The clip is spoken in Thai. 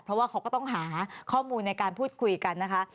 เพราะว่าเขาก็ต้องหาข้อมูลในการพูดคุยกันนะคะ